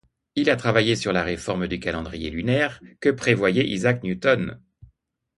Il a travaillé sur la réforme du Calendrier lunaire que prévoyait Isaac Newton.